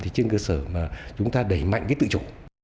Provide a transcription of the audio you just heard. hai mươi thì trên cơ sở mà chúng ta đẩy mạnh cái tự chủ